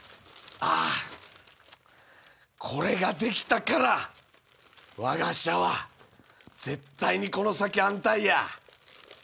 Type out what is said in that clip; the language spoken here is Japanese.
これができたからわが社は絶対にこの先安泰や！